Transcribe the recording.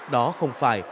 đó không phải